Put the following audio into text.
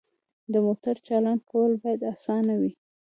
د موټر چالان کول باید اسانه وي.